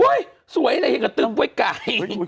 โอ้ยสวยเลยกระตึงไว้ไก่